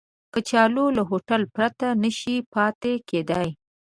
کچالو له هوټل پرته نشي پاتې کېدای